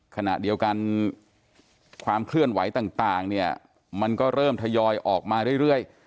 ขณะเดียวกันความเคลื่อนไหวต่างเนี่ยมันก็เริ่มทยอยออกมาเรื่อย